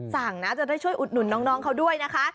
สั่งนะจะได้ช่วยอุดหนุนน้องเขาด้วยนะคะ